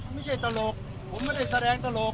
ไม่ใช่ตลกผมไม่ได้แสดงตลก